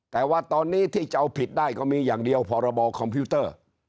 แต่ว่าตอนนี้ที่จะเอาผิดได้ก็มีอย่างเดียวพรบคอมพิวเตอร์